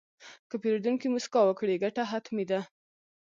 که پیرودونکی موسکا وکړي، ګټه حتمي ده.